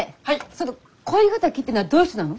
その恋敵ってのはどういう人なの？